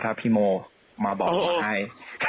ถ้าพี่โมมาบอกผมให้